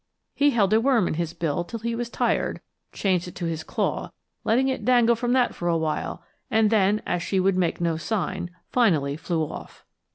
He held a worm in his bill till he was tired, changed it to his claw, letting it dangle from that for a while; and then, as she would make no sign, finally flew off.